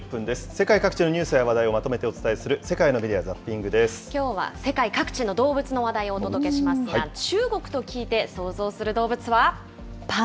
世界各地のニュースや話題をまとめてお伝えする世界のメディア・きょうは世界各地の動物の話題をお届けしますが、中国と聞いて想像する動物は？